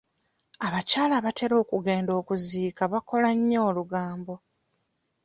Abakyala abatera okugenda okuziika bakola nnyo olugambo.